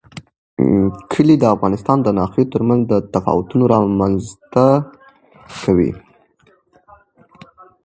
کلي د افغانستان د ناحیو ترمنځ تفاوتونه رامنځ ته کوي.